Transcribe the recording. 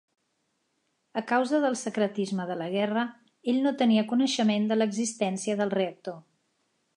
A causa del secretisme de la guerra, ell no tenia coneixement de l'existència del reactor.